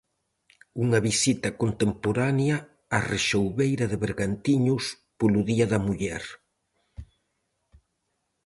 Unha visita contemporánea á rexoubeira de Bergantiños polo día da muller.